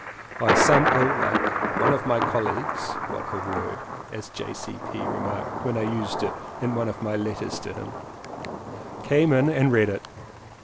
By some ill luck one of my colleagues (what a word! as J.C.P. remarked when I used it in one of my letters to him) came in and read it.